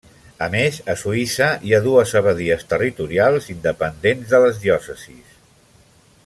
A més a Suïssa hi ha dues abadies territorials independents de les diòcesis.